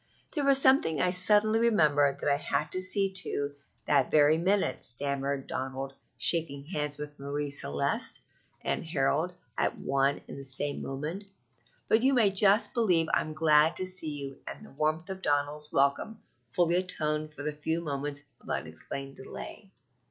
"There was something I suddenly remembered that I had to see to that very minute," stammered Donald, shaking bands with Marie Celeste and Harold at one and the same moment; "but you may just believe I'm glad to see you and the warmth of Donald's welcome fully atoned for the few moments of unexplained delay.